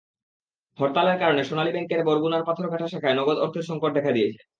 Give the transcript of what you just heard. হরতালের কারণে সোনালী ব্যাংকের বরগুনার পাথরঘাটা শাখায় নগদ অর্থের সংকট দেখা দিয়েছে।